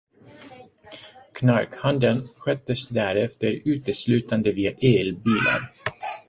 Knarkhandeln sköttes därefter uteslutande via elbilar